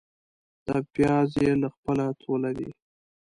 دا پیاز يې له خپله توله دي.